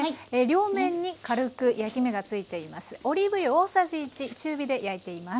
両面に軽く焼き目がついています。